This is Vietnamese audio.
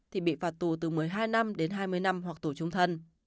thì bị phạt tù từ một mươi hai năm đến hai mươi năm hoặc tù trung thân